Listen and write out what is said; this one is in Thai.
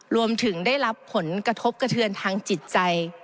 รวมถึงได้รับผลกระทบกระเทือนทางจิตใจ